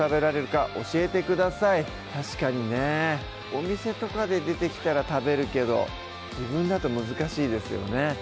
お店とかで出てきたら食べるけど自分だと難しいですよね